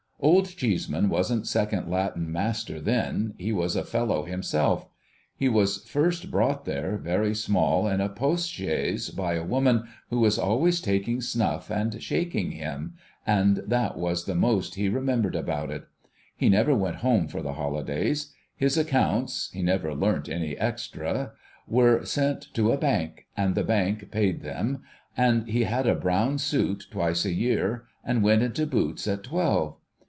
Old Cheeseman wasn't second Latin Master then; he was a fellow himself. He was first brought there, very small, in a post 44 THE SCHOOLBOY'S STORY chaise, by a woman who was always taking snuff and shaking him —■ and that was the most he remembered about it. He never went home for the hohdays. His accounts (he never learnt any extras) were sent to a Bank, and the Bank paid them ; and he had a brown suit twice a year, and went into boots at twelve.